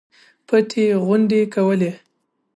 پټې غونډې کولې.